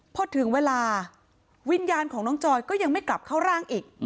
พอถึงเวลาวิญญาณของน้องจอยก็ยังไม่กลับเข้าร่างอีก